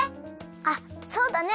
あっそうだね。